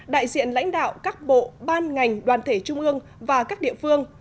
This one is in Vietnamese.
đại diện lãnh đạo các bộ ban ngành đoàn thể trung ương và các địa phương